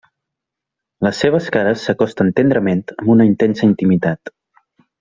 Les seves cares s'acosten tendrament amb una intensa intimitat.